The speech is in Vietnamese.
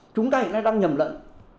chúng ta hiện nay đang nhầm lẫn